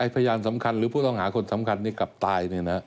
พยานสำคัญหรือผู้ต้องหาคนสำคัญกลับตาย